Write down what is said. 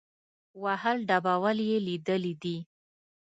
وهل ډبول یې لیدلي دي.